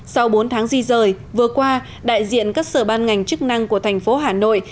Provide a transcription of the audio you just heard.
sau bốn tháng di rời vừa qua đại diện các sở ban ngành chức năng của thành phố hà nội